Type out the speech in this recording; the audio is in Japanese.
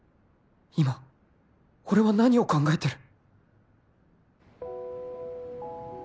今俺は何を考えてる？